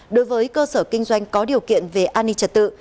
đối với cơ sở kinh doanh có điều kiện về an ninh trật tự